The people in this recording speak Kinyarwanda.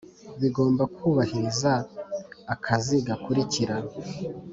bigomba kubahiriza akazi gakurikira: